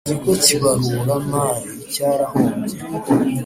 Ikigo kibarura mari cyarahombye